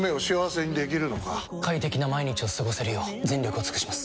快適な毎日を過ごせるよう全力を尽くします！